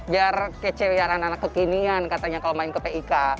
biar kecewiaran anak kekinian katanya kalau main ke pik